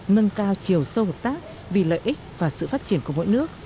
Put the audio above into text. nâng cao chiều sâu hợp tác vì lợi ích và sự phát triển của mỗi nước